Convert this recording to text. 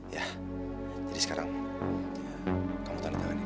ya jadi sekarang kamu tanda tangan ini